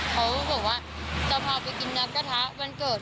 เขาบอกว่าจะพาไปกินน้ำกระทะวันเกิด